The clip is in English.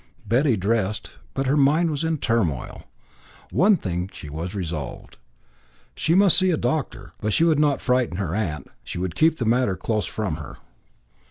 Betty dressed, but her mind was in a turmoil. On one thing she was resolved. She must see a doctor. But she would not frighten her aunt, she would keep the matter close from her.